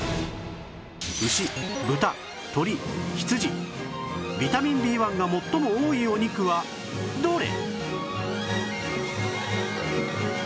牛豚鶏羊ビタミン Ｂ１ が最も多いお肉はどれ？